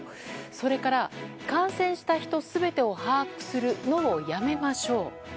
それから、感染した人全てを把握するのをやめましょう。